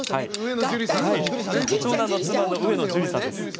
長男の妻の上野樹里さんです。